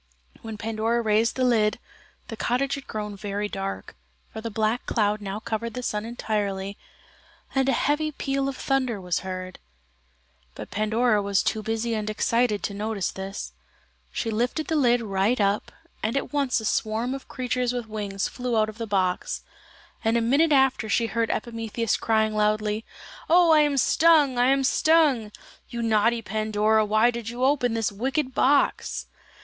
When Pandora raised the lid, the cottage had grown very dark, for the black cloud now covered the sun entirely and a heavy peal of thunder was heard. But Pandora was too busy and excited to notice this: she lifted the lid right up, and at once a swarm of creatures with wings flew out of the box, and a minute after she heard Epimetheus crying loudly: "Oh, I am stung, I am stung! You naughty Pandora, why did you open this wicked box?"